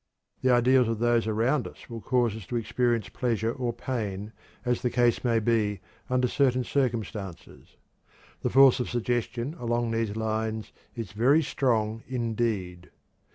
The ideals of those around us will cause us to experience pleasure or pain, as the case may be, under certain circumstances; the force of suggestion along these lines is very strong indeed.